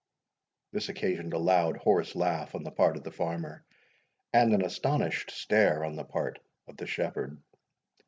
This occasioned a loud hoarse laugh on the part of the farmer, and an astonished stare on the part of the shepherd.